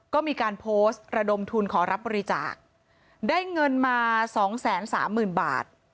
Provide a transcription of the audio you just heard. ก็มีการโพสต์ระดมทุนขอรับบริจาคได้เงินมา๒๓๐๐๐๐บาท